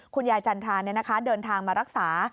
คุณยายจันทราเนี่ยนะคะเดินทางมารักษา